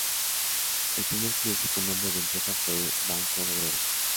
El primer club con nombre de empresa fue: Banco Obrero.